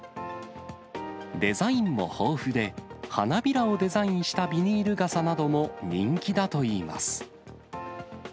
デザインも豊富で、花びらをデザインしたビニール傘なども人気だといいます。